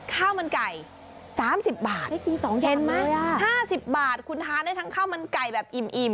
ข้าวมันไก่๓๐บาทได้กิน๒เย็นไหม๕๐บาทคุณทานได้ทั้งข้าวมันไก่แบบอิ่ม